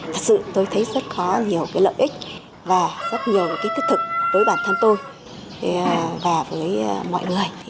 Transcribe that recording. thật sự tôi thấy rất có nhiều cái lợi ích và rất nhiều cái thức thực với bản thân tôi và với mọi người